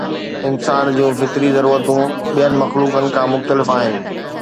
انسان جون فطري ضرورتون ٻين مخلوقن کان مختلف آهن.